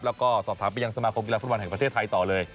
แล้วก็สอบถามไปยังสมาคมกีฬาฟุตบอลแห่งประเทศไทยต่อเลย